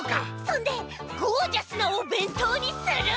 そんでゴージャスなおべんとうにする！